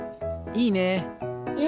いいね！